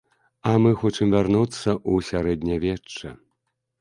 А мы хочам вярнуцца ў сярэднявечча.